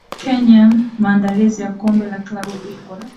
kenya maandalizi ya kombe la klabu bingwa